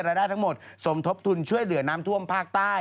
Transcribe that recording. ได้ทั้งหมดสมทบทุนช่วยเหลือน้ำท่วมภาคใต้